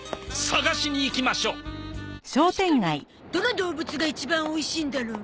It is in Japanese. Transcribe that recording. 確かにどの動物が一番おいしいんだろう？